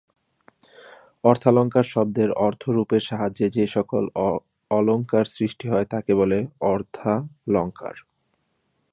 অর্থালঙ্কার শব্দের অর্থরূপের সাহায্যে যে-সকল অলঙ্কার সৃষ্টি হয় তাকে বলে অর্থালঙ্কার।